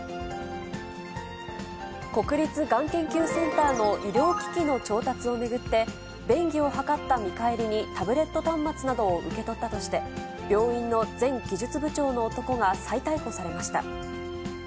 国立がん研究センターの医療機器の調達を巡って、便宜を図った見返りにタブレット端末などを受け取ったとして、病院の前技術部長の男が再逮捕されました。